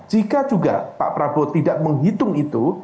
jika juga pak prabowo tidak menghitung itu